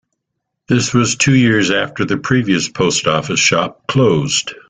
This was two years after the previous post office shop closed.